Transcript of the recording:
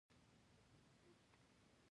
نولسمه پوښتنه د ښه آمریت د اوصافو په اړه ده.